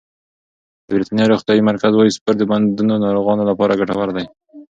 د بریتانیا روغتیايي مرکز وايي سپورت د بندونو ناروغانو لپاره ګټور دی.